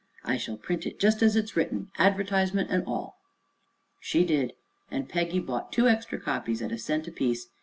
"I shall print it just as it's written, advertisement and all." She did, and Peggy bought two extra copies, at a cent apiece.